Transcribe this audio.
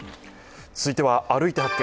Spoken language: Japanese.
続いては「歩いて発見！